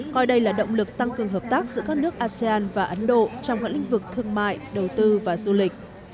coi đây là động lực tăng cường hợp tác giữa các nước asean và ấn độ trong các lĩnh vực thương mại đầu tư và du lịch